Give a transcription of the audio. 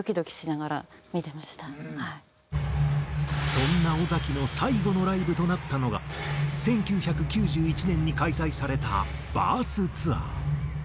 そんな尾崎の最後のライブとなったのが１９９１年に開催されたＢＩＲＴＨツアー。